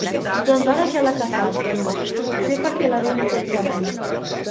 Doncs ara ja l'ha caçat, potser perquè la viu intensament.